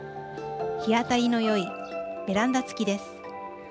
日当たりのよいベランダ付きです。